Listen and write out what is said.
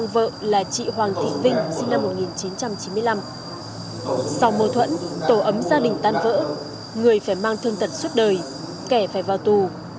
vợ là chị hoàng thị vinh sinh năm một nghìn chín trăm chín mươi năm sau mâu thuẫn tổ ấm gia đình tan vỡ người phải mang thương tật suốt đời kẻ phải vào tù